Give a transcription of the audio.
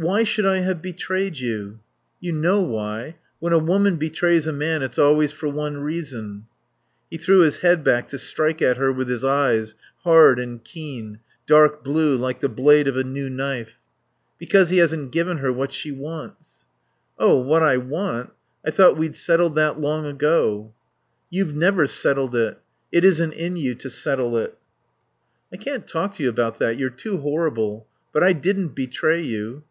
"Why should I have betrayed you?" "You know why. When a woman betrays a man it's always for one reason." He threw his head back to strike at her with his eyes, hard and keen, dark blue like the blade of a new knife ... "Because he hasn't given her what she wants." "Oh, what I want I thought we'd settled that long ago." "You've never settled it. It isn't in you to settle it." "I can't talk to you about that. You're too horrible. But I didn't betray you."